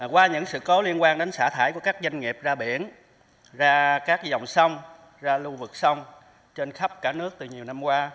qua những sự cố liên quan đến xả thải của các doanh nghiệp ra biển ra các dòng sông ra lưu vực sông trên khắp cả nước từ nhiều năm qua